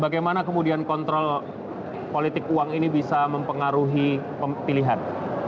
bagaimana kemudian kontrol politik uang ini bisa mempengaruhi pilihan